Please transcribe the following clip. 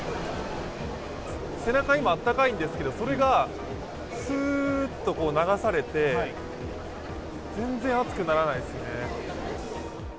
背中、今温かいんですけれども、それがすーっと流されて、全然熱くならないですね。